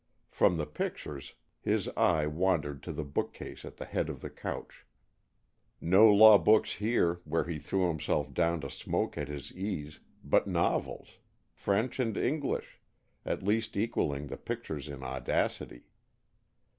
From the pictures, his eye wandered to the book case at the head of the couch. No law books here, where he threw himself down to smoke at his ease, but novels, French and English, at least equalling the pictures in audacity.